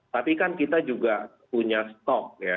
tapi kan kita juga punya stok ya